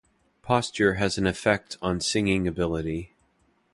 Posture has an effect on singing ability.